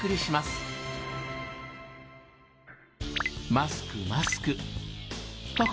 マスクマスクあっ